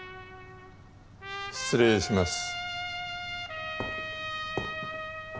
失礼します。